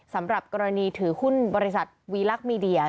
สำหรับกรณีถือหุ้นบริษัทวีลักษณ์มีเดีย